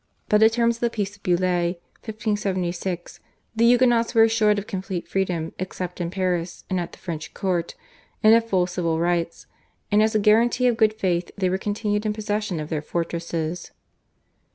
By the terms of the Peace of Beaulieu (1576) the Huguenots were assured of complete freedom except in Paris and at the French Court, and of full civil rights, and as a guarantee of good faith they were continued in possession of their fortresses.